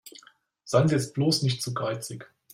Seien Sie jetzt bloß nicht zu geizig.